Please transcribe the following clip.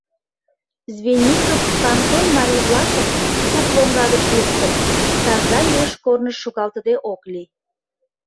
Звенигов кантон марий-влакым, куп лоҥга гыч луктын, таза илыш корныш шогалтыде ок лий.